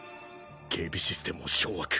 警備システムを掌握。